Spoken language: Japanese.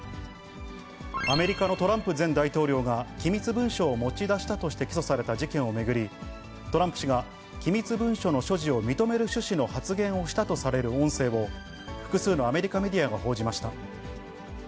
アメリカのトランプ前大統領が、機密文書を持ち出したとして起訴された事件を巡り、トランプ氏が機密文書の所持を認める趣旨の発言をしたとされる音声を、複数のアメリカメディアが報じました。